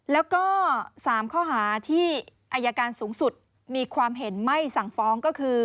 แล้วก็๓ข้อหาที่อายการสูงสุดมีความเห็นไม่สั่งฟ้องก็คือ